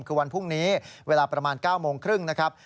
คือวันพรุ่งนี้เวลาประมาณ๙โมงครึ่งนะครับ